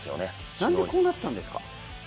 なんでこうなったんですか？